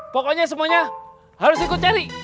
pokoknya semuanya harus ikut cari